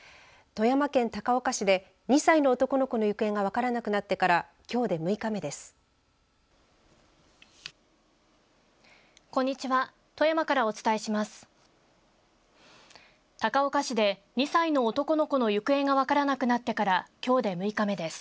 富山県高岡市で２歳の男の子の行方が分からなくなってからきょうで６日目です。